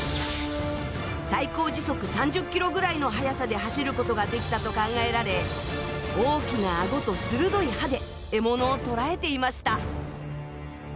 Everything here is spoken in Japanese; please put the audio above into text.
最高時速３０ｋｍぐらいの速さで走ることができたと考えられ大きな顎と鋭い歯で獲物を捕らえていました。